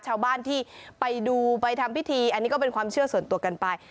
ชาวบ้านที่ไปดูไปทำพิธีอันนี้ก็เป็นความเชื่อส่วนตัวกันไป